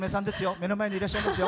目の前にいらっしゃいますよ！